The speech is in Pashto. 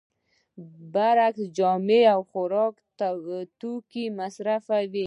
برعکس جامې او خوراکي توکي مصرفوي